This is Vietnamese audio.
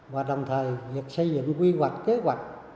và đồng thời việc xây dựng quy hoạch kế hoạch